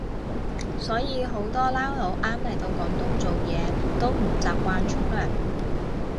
所以好多撈佬啱嚟到廣東做嘢都唔習慣沖涼